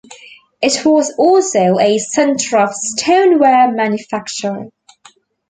It was also a center of stoneware manufacture.